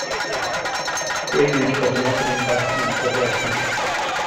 Greenidge was an opening batsman for the West Indies.